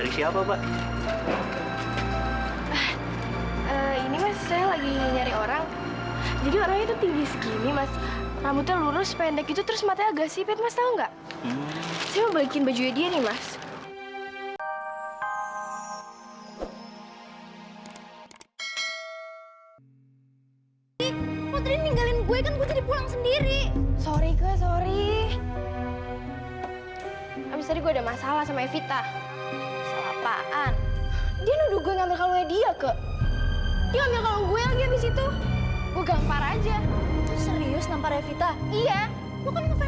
sampai jumpa di video selanjutnya